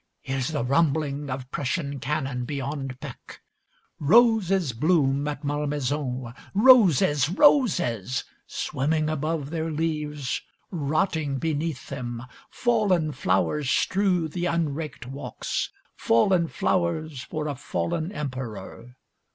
It is the rumbling of Prussian cannon beyond Pecq. Roses bloom at Malmaison. Roses! Roses! Swimming above their leaves, rotting beneath them. Fallen flowers strew the unraked walks. Fallen flowers for a fallen Emperor!